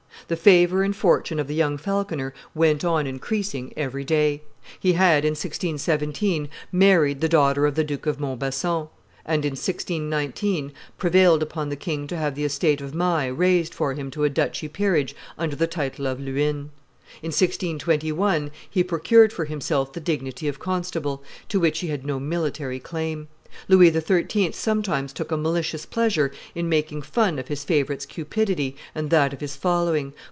The favor and fortune of the young falconer went on increasing every day. He had, in 1617, married the daughter of the Duke of Montbazon, and, in 1619, prevailed upon the king to have the estate of Maille raised for him to a duchy peerage under the title of Luynes. In 1621 he procured for himself the dignity of constable, to which he had no military claim. Louis XIII. sometimes took a malicious pleasure in making fun of his favorite's cupidity and that of his following.